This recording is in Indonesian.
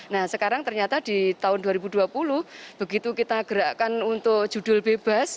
nah sekarang ternyata di tahun dua ribu dua puluh begitu kita gerakkan untuk judul bebas